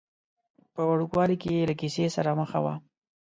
په وړوکوالي کې یې له کیسې سره مخه وه.